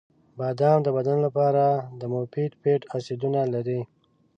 • بادام د بدن لپاره د مفید فیټ اسیدونه لري.